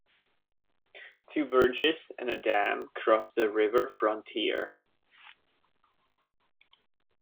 Two bridges and a dam cross the river frontier.